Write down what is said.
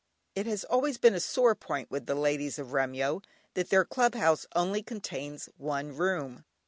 It has always been a sore point with the ladies of Remyo that their Club House only contains one room.